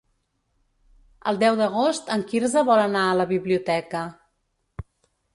El deu d'agost en Quirze vol anar a la biblioteca.